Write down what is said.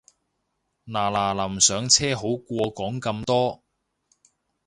嗱嗱臨上車好過講咁多